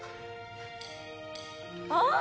ああ！